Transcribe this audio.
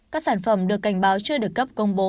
các sản phẩm được cảnh báo chưa được cấp công bố